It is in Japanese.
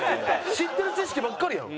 知ってる知識ばっかりやん。